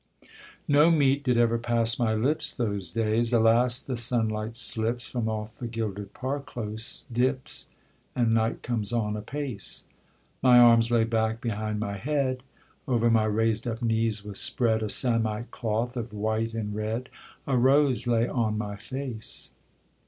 No meat did ever pass my lips Those days. Alas! the sunlight slips From off the gilded parclose, dips, And night comes on apace. My arms lay back behind my head; Over my raised up knees was spread A samite cloth of white and red; A rose lay on my face.